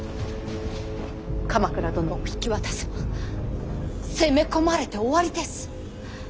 鎌倉殿を引き渡せば攻め込まれて終わりです。